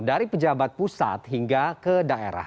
dari pejabat pusat hingga ke daerah